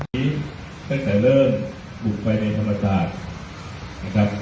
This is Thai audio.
ตอนนี้ตั้งแต่เริ่มบุกไปในธรรมศาสตร์